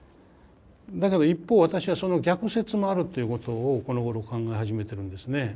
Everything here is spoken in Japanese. だけど一方私はその逆説もあるっていうことをこのごろ考え始めてるんですね。